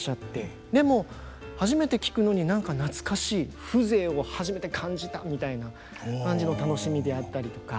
でも「初めて聴くのに何か懐かしい」「風情を初めて感じた」みたいな感じの楽しみであったりとか。